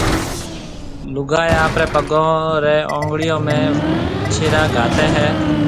لوگائي آپريَ پگون ريَ اونگڙيون ۾ وِڇيريا گھاتيَ ھيَََ